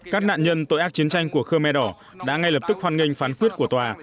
các nạn nhân tội ác chiến tranh của khơ me đỏ đã ngay lập tức hoan nghênh phán quyết của tòa